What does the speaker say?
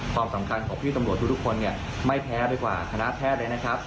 ความสำคัญของพี่ตำรวจทุกคนเนี่ยไม่แพ้ไปกว่าคณะแพทย์เลยนะครับ